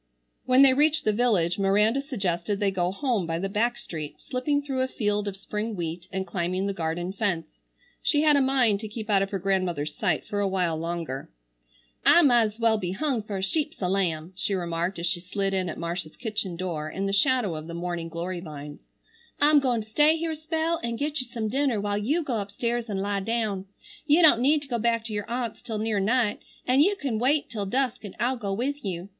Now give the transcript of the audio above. When they reached the village Miranda suggested they go home by the back street, slipping through a field of spring wheat and climbing the garden fence. She had a mind to keep out of her grandmother's sight for a while longer. "I might's well be hung for a sheep's a lamb," she remarked, as she slid in at Marcia's kitchen door in the shadow of the morning glory vines. "I'm goin' to stay here a spell an' get you some dinner while you go upstairs an' lie down. You don't need to go back to your aunt's till near night, an' you can wait till dusk an' I'll go with you.